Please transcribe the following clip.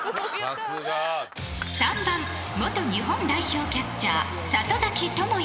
３番、元日本代表キャッチャー里崎智也